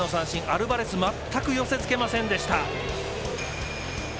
アルバレス全く寄せつけませんでした。